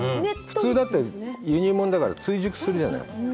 普通、だって、輸入物だから、追熟するじゃない？